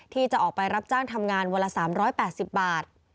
ที่จะออกไปรับจ้างทำงานวันละ๓๘๐บาท